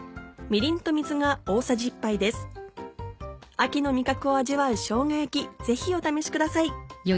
秋の味覚を味わうしょうが焼きぜひお試しください。